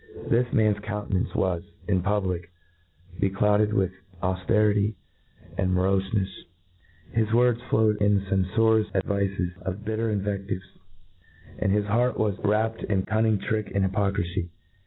This man's counte nance was> in public, beclouded wjth aufterity and morofenefs { bis words flowed in cenforiqus advices, or bitter invefltivcs ; and his heart ^was Xvrs^ in cunning, trick, and hypocrify.